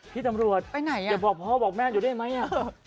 พี่ตำรวจอย่าบอกพ่อบอกแม่อยู่ได้ไหมพี่ตำรวจไปไหน